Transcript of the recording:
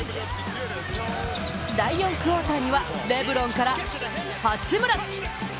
第４クオーターにはレブロンから八村！